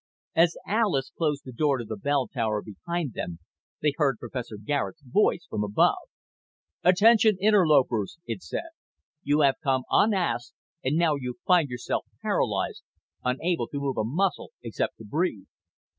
As Alis closed the door to the bell tower behind them, they heard Professor Garet's voice from above. "Attention interlopers," it said. "You have come unasked and now you find yourself paralyzed, unable to move a muscle except to breathe."